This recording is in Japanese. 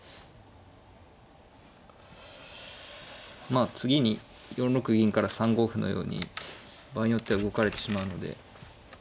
まあ次に４六銀から３五歩のように場合によっては動かれてしまうので。